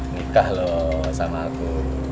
nikah loh sama aku